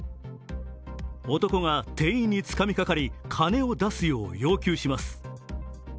男が店員につかみかかり、金を出すよう要求します。